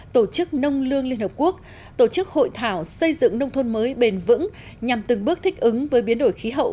tổ chức nông lương liên hợp quốc tổ chức hội thảo xây dựng nông thôn mới bền vững nhằm từng bước thích ứng với biến đổi khí hậu